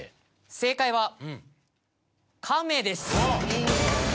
正解は「カメ」です。